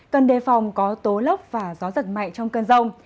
cần đề phòng có tố lốc và gió giật mạnh trong cơn rông